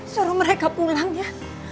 suruh mereka pulang ya